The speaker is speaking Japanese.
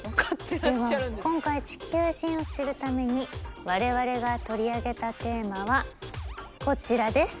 今回地球人を知るために我々が取り上げたテーマはこちらです。